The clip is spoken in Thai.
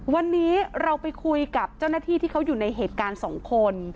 วันนี้เราไปคุยกับเจ้าหน้าที่ที่เขาอยู่ในเหตุการณ์สองคน